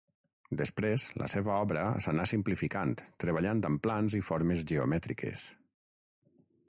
Després, la seva obra s'anà simplificant treballant amb plans i formes geomètriques.